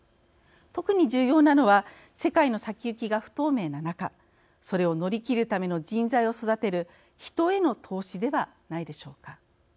特に重要なのは世界の先行きが不透明な中それを乗り切るための人材を育てる人への投資ではないでしょうか。